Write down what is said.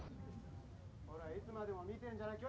ほらいつまでも見てんじゃない。